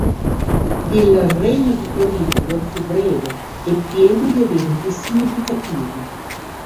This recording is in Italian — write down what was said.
Il regno di Olibrio fu breve, e privo di eventi significativi.